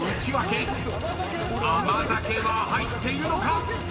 ［甘酒は入っているのか⁉］